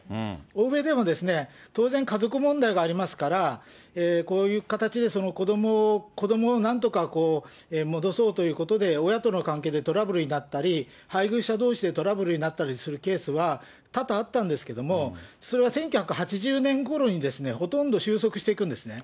欧米でも当然、家族問題がありますから、こういう形で、子どもをなんとか戻そうということで、親との関係でトラブルになったり、配偶者どうしでトラブルになったりするケースは、多々あったんですけれども、それは１９８０年ごろにほとんど収束していくんですね。